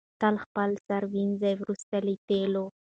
تل خپل سر ووینځئ وروسته له تېلو.